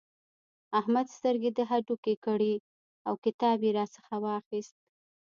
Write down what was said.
احمد سترګې د هډوکې کړې او کتاب يې راڅخه واخيست.